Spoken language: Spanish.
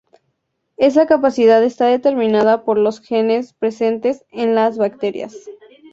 Esa capacidad está determinada por los genes presentes en las bacterias.